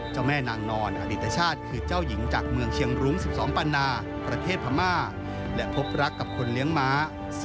เจ้าแม่นางนอนอดีตชาติคือเจ้าหญิงจากเมืองเชียงรุ้ง๑๒ปันนา